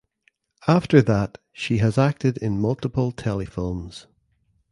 After that she has acted in multiple telefilms.